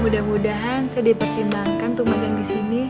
mudah mudahan saya dipertimbangkan untuk makan disini